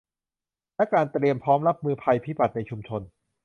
และการเตรียมพร้อมรับมือภัยพิบัติในชุมชน